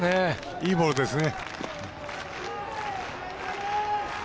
いいボールですね。